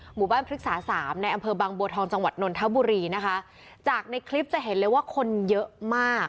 หมู่บ้านพฤกษาสามในอำเภอบางบัวทองจังหวัดนนทบุรีนะคะจากในคลิปจะเห็นเลยว่าคนเยอะมาก